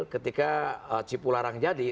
ketika cipu larang jadi